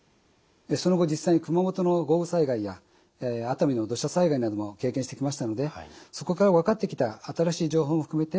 その後実際に熊本の豪雨災害や熱海の土砂災害なども経験してきましたのでそこから分かってきた新しい情報も含めてご紹介したいと思います。